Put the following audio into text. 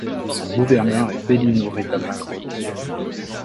Son gouverneur est Benigno Retamal Rodríguez.